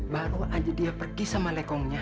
baru aja dia pergi sama lekongnya